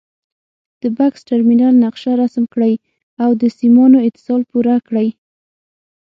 د بکس ټرمینل نقشه رسم کړئ او د سیمانو اتصال پوره کړئ.